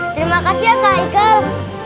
terima kasih ya kak haikal